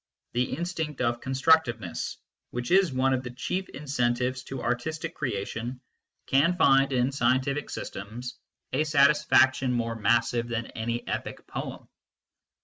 The instinct of constructiveness, which is one of the chief incentives to artistic creation, can find SCIENCE AND CULTURE 45 in scientific systems a satisfaction more massive than any epic poem.